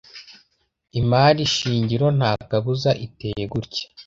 Imari shingiro ntakabuza iteye gutya: